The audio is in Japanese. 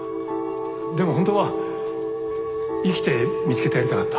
でも本当は生きて見つけてやりたかった。